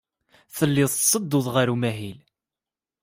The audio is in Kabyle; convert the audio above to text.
Tellid tetteddud ɣer umahil.